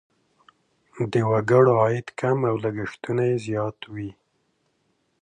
د وګړو عاید کم او لګښتونه یې زیات وي.